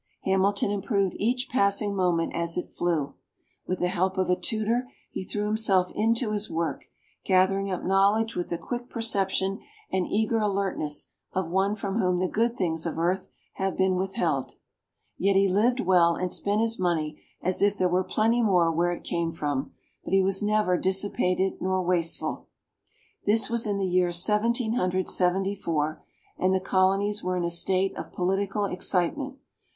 Hamilton improved each passing moment as it flew; with the help of a tutor he threw himself into his work, gathering up knowledge with the quick perception and eager alertness of one from whom the good things of earth have been withheld. Yet he lived well and spent his money as if there were plenty more where it came from; but he was never dissipated nor wasteful. This was in the year Seventeen Hundred Seventy four, and the Colonies were in a state of political excitement.